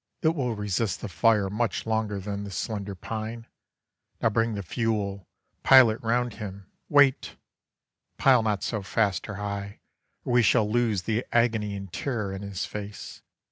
It will resist The fire much longer than this slender pine. Now bring the fuel! Pile it 'round him! Wait! Pile not so fast or high! or we shall lose The agony and terror in his face.